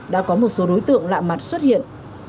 đã có một số đối tượng lạ mặt xuất hiện